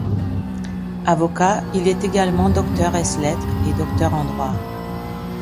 Avocat, il est également docteur es lettres et docteur en droit.